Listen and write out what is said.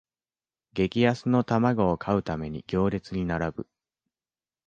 激安の玉子を買うために行列に並ぶ